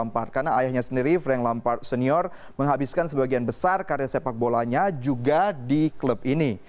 karena ayahnya sendiri frank lampard senior menghabiskan sebagian besar karir sepak bolanya juga di klub ini